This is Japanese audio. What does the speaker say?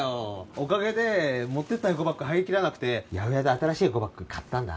おかげで持ってったエコバッグ入りきらなくて八百屋で新しいエコバッグ買ったんだ